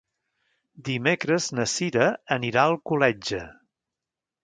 Dimecres na Cira anirà a Alcoletge.